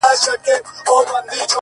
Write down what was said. خندا چي په ظاهره ده ژړا ده په وجود کي;